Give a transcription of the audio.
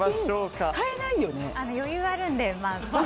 余裕あるんで。